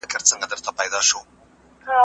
دروغ به انسان تل غولوي.